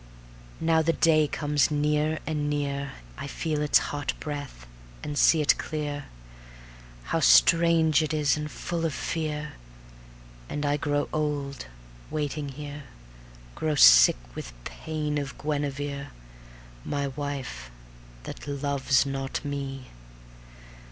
Now the day comes near and near I feel its hot breath, and see it clear, How strange it is and full of fear; And I grow old waiting here, Grow sick with pain of Guenevere, My wife, that loves not me.